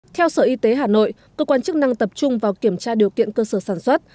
theo sở y tế hà nội cơ quan chức năng tập trung vào kiểm tra điều kiện cơ sở sản xuất